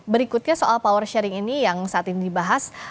berikutnya soal power sharing ini yang saat ini dibahas